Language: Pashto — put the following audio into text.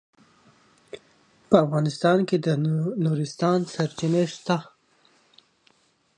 په افغانستان کې د نورستان منابع شته.